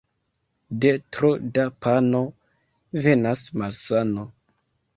De tro da pano venas malsano.